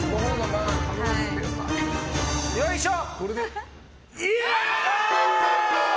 よいしょ！